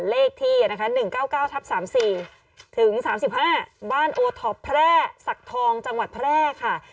เลขที่๑๙๙๓๔๓๕บ้านโอทอปแพร่สักทองจังหวัดแพร่ค่ะ